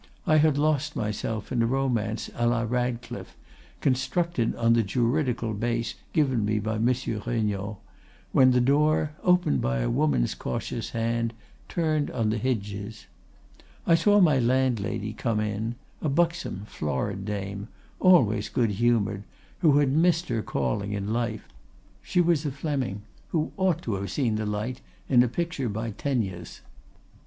I had lost myself in a romance à la Radcliffe, constructed on the juridical base given me by Monsieur Regnault, when the door, opened by a woman's cautious hand, turned on the hinges. I saw my landlady come in, a buxom, florid dame, always good humored, who had missed her calling in life. She was a Fleming, who ought to have seen the light in a picture by Teniers.